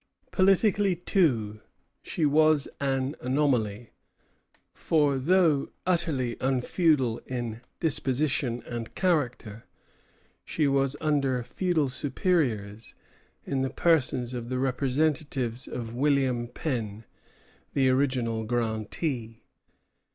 Politically, too, she was an anomaly; for, though utterly unfeudal in disposition and character, she was under feudal superiors in the persons of the representatives of William Penn, the original grantee.